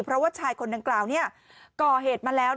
เพราะว่าชายคนดังกล่าวก่อเหตุมาแล้ว